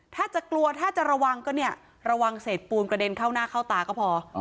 ถ้าจะกลัวถ้าจะระวังก็เนี่ยระวังเศษปูนกระเด็นเข้าหน้าเข้าตาก็พอ